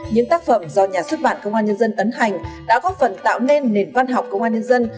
những tác phẩm do nhà xuất bản công an nhân dân ấn hành đã góp phần tạo nên nền văn học công an nhân dân